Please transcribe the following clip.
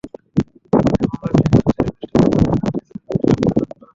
হ্যাকারদের হামলার বিষয়ে জানতে রয়টার্সের পক্ষ থেকে জানতে সুইফটের সঙ্গে যোগাযোগ করা হয়।